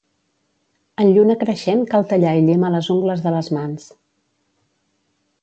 En lluna creixent cal tallar i llimar les ungles de les mans.